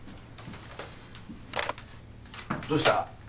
どうした？